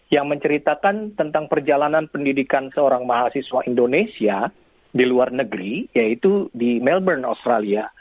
yang menceritakan tentang perjalanan pendidikan seorang mahasiswa indonesia di luar negeri yaitu di melbourne australia